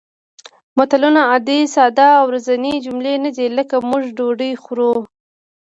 متلونه عادي ساده او ورځنۍ جملې نه دي لکه موږ ډوډۍ خورو